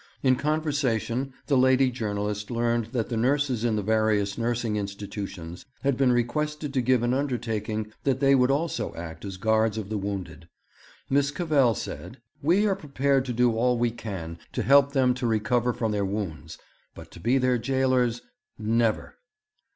In conversation the lady journalist learned that the nurses in the various nursing institutions had been requested to give an undertaking that they would also act as guards of the wounded. Miss Cavell said, 'We are prepared to do all we can to help them to recover from their wounds, but to be their jailers, never!'